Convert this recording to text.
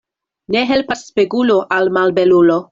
Ne helpas spegulo al malbelulo.